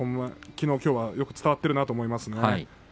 きのう、きょうはよく伝わっているなと思います。